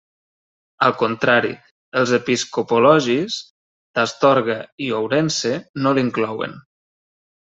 Al contrari, els episcopologis d'Astorga i Ourense no l'inclouen.